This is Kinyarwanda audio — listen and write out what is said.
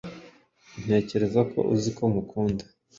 Ntekereza ko uzi ko ngukunda.